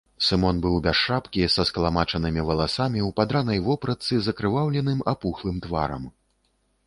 Сымон быў без шапкі са скалмачанымі валасамі, у падранай вопратцы, з акрываўленым, апухлым тварам.